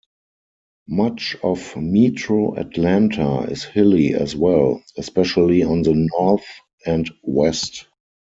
Much of metro Atlanta is hilly as well, especially on the north and west.